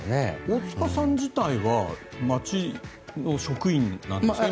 大塚さん自体は町の職員なんですか？